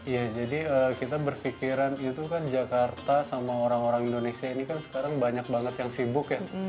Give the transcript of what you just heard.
ya jadi kita berpikiran itu kan jakarta sama orang orang indonesia ini kan sekarang banyak banget yang sibuk ya